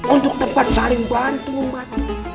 untuk tempat saling bantu umat